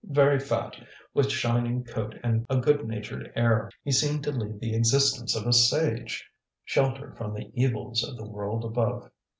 Very fat, with shining coat and a good natured air, he seemed to lead the existence of a sage, sheltered from the evils of the world above.